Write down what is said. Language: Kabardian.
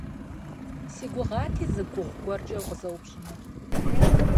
Си гугъати зы гугъу гуэркӀэ укъызэупщӀыну.